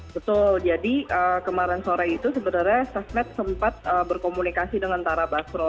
betul jadi kemarin sore itu sebenarnya sasnet sempat berkomunikasi dengan tara basro